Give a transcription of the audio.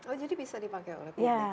oh jadi bisa dipakai oleh publik ya